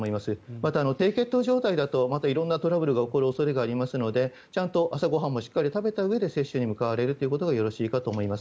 また低血糖状態で色々とトラブルが起こることがありますのでちゃんと朝ご飯もしっかり食べたうえで接種に行くことがよろしいかと思います。